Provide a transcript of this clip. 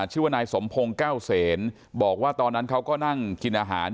ชื่อว่านายสมพงศ์แก้วเสนบอกว่าตอนนั้นเขาก็นั่งกินอาหาร